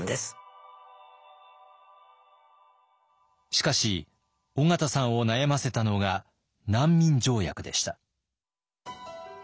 しかし緒方さんを悩ませたのが難民条約でした。